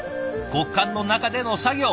極寒の中での作業。